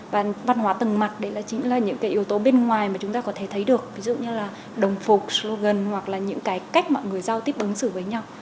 và văn hóa tầng mặt đấy chính là những cái yếu tố bên ngoài mà chúng ta có thể thấy được ví dụ như là đồng phục slogan hoặc là những cái cách mọi người giao tiếp ứng xử với nhau